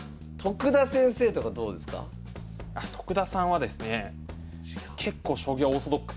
徳田さんはですね